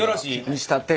見したって。